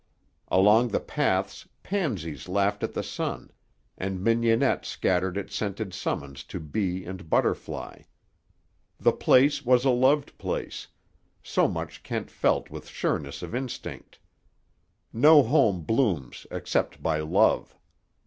Along the paths pansies laughed at the sun, and mignonette scattered its scented summons to bee and butterfly. The place was a loved place; so much Kent felt with sureness of instinct. No home blooms except by love.